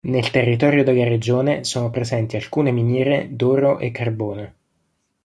Nel territorio della regione sono presenti alcune miniere d'oro e carbone.